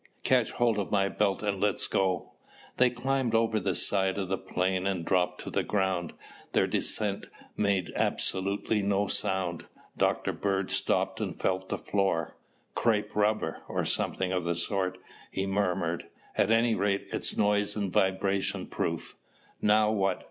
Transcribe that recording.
Catch hold of my belt and let's go." They climbed over the side of the plane and dropped to the ground. Their descent made absolutely no sound. Dr. Bird stopped and felt the floor. "Crepe rubber, or something of the sort," he murmured. "At any rate, it's noise and vibration proof." "Now what?"